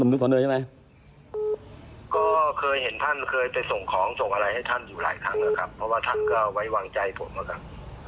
เคยไปส่งของส่งอะไรให้ท่านอยู่หลายครั้งแล้วครับเพราะว่าท่านก็ไววางใจผม